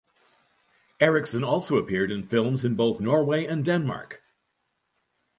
Eriksen also appeared in films in both Norway and Denmark.